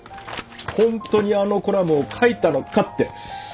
ホントにあのコラムを書いたのかって。